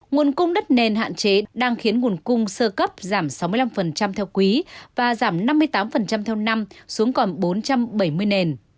nguồn cung đất nền hạn chế đang khiến nguồn cung sơ cấp giảm sáu mươi năm theo quý và giảm năm mươi tám theo năm xuống còn bốn trăm bảy mươi nền